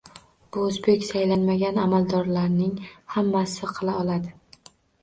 Bu o'zbek saylanmagan amaldorlarning hammasi qila oladi